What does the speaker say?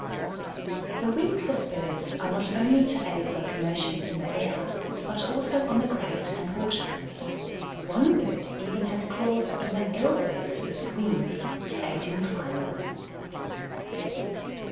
The wings of birds are not only to aid locomotion in the air, but also on the ground and water. One bird even has claws in the "elbows" of its wings to aid in climbing.